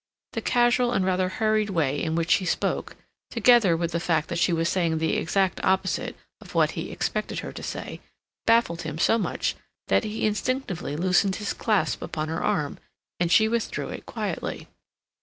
The casual and rather hurried way in which she spoke, together with the fact that she was saying the exact opposite of what he expected her to say, baffled him so much that he instinctively loosened his clasp upon her arm and she withdrew it quietly.